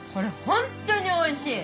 本当においしい！